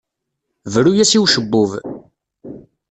Bru-as i ucebbub.